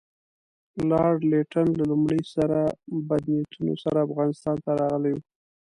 لارډ لیټن له لومړي سره بد نیتونو سره افغانستان ته راغلی وو.